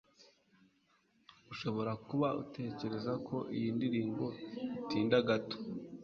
Ushobora kuba utekereza ko iyi ndirimbo itinda gato.